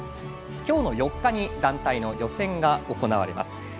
今日の４日に団体の予選が行われます。